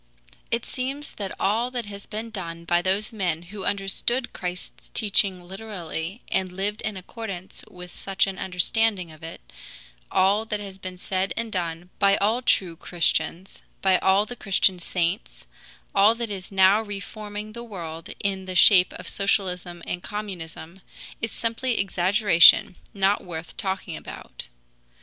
It seems that all that has been done by those men who understood Christ's teaching literally and lived in accordance with such an understanding of it, all that has been said and done by all true Christians, by all the Christian saints, all that is now reforming the world in the shape of socialism and communism is simply exaggeration, not worth talking about.